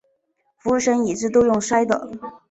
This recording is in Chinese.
服务生椅子都用摔的